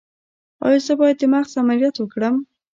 ایا زه باید د مغز عملیات وکړم؟